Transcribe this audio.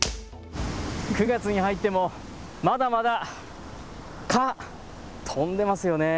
９月に入ってもまだまだ飛んでますよね。